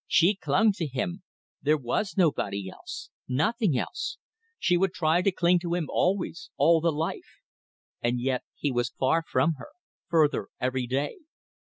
She clung to him. There was nobody else. Nothing else. She would try to cling to him always all the life! And yet he was far from her. Further every day.